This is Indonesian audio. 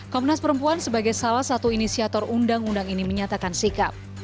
komnas perempuan sebagai salah satu inisiator undang undang ini menyatakan sikap